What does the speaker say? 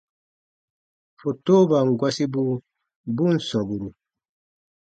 Fotoban gɔsibu bu ǹ sɔmburu.